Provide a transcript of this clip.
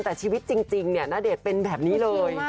แต่ชีวิตจริงเนี่ยณเดชน์เป็นแบบนี้เลย